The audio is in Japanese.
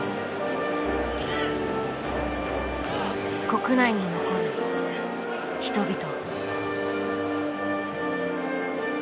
国内に残る人々。